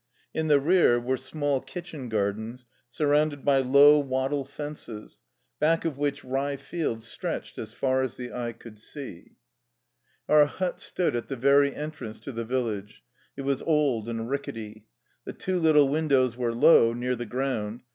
In the rear were small kitchen gardens surrounded by low wattle fences, back of which rye fields stretched as far as the eye could see. 3 THE LIFE STORY OF A RUSSIAN EXILE Our hut stood at the very entrance to the village. It was old and rickety. The two little windows were low, near the ground.